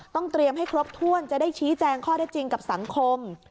เตรียมให้ครบถ้วนจะได้ชี้แจงข้อได้จริงกับสังคม